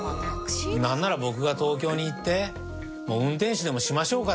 なんなら僕が東京に行って運転手でもしましょうか？